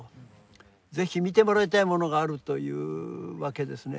「是非見てもらいたいものがある」というわけですね。